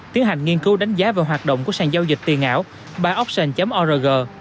tiến hành nghiên cứu đánh giá về hoạt động của sàn giao dịch tiền ảo buyoption org